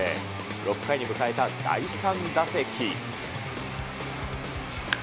６回に迎えた第３打席。